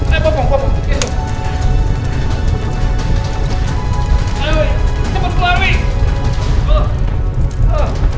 ayo cepet keluar wih